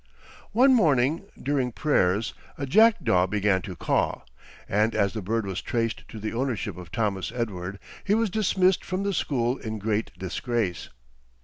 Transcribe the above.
One morning during prayers a jackdaw began to caw, and as the bird was traced to the ownership of Thomas Edward, he was dismissed from the school in great disgrace.